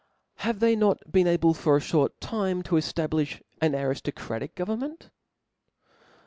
Have they not been able for a (hort time to eftablifh an ariftocratical government